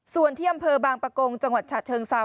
ส่วนที่อำเภอบางประกงจังหวัดฉะเชิงเซา